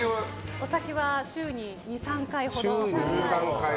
お酒は週に２３回ほど。